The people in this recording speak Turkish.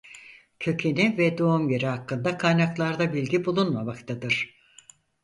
Kökeni ve doğum yeri hakkında kaynaklarda bilgi bulunmamaktadır.